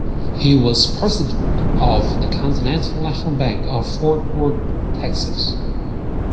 He was president of the Continental National Bank of Fort Worth, Texas.